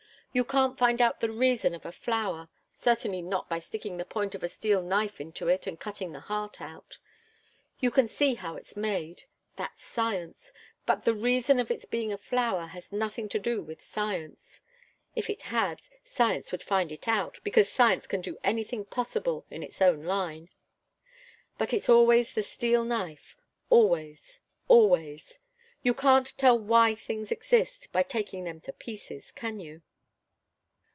You can't find out the reason of a flower certainly not by sticking the point of a steel knife into it and cutting the heart out. You can see how it's made that's science. But the reason of its being a flower has nothing to do with science. If it had, science would find it out, because science can do anything possible in its own line. But it's always the steel knife always, always. You can't tell why things exist, by taking them to pieces, can you?"